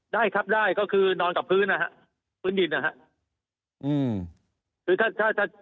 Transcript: ได้ครับได้ก็คือนอนกับพื้นดินนะครับ